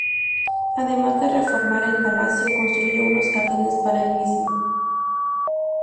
Además de reformar el palacio, construyó unos jardines para el mismo.